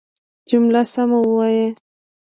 جمله سمه وايه!